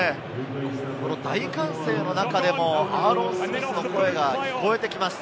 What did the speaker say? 大歓声の中でもアーロン・スミスの声が聞こえてきます。